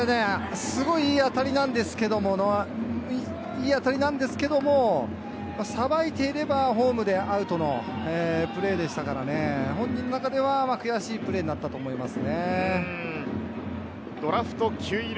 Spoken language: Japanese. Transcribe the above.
これ、すごいいい当たりなんですけれども、さばいていればホームでアウトのプレーでしたから、本人の中では悔しいプレーになったと思います。